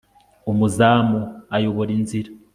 umuzamu ayobora inzira